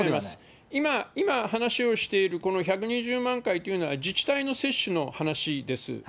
今、話をしているこの１２０万回というのは、自治体の接種の話です。